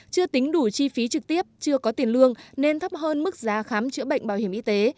chưa tính đủ chi phí trực tiếp chưa có tiền lương nên thấp hơn mức giá khám chữa bệnh bảo hiểm y tế